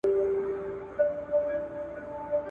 د قیامت نښانې دغه دي ښکاریږي `